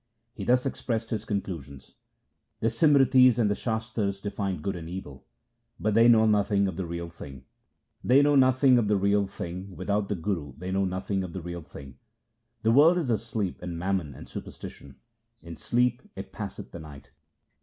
He thus expressed his conclusions :— The Simritis and the Shastars define good and evil, but they know nothing of the Real Thing ; They know nothing of the Real Thing ; without the Guru they know nothing of the Real Thing. The world is asleep in mammon and superstition ; in sleep it passeth the night.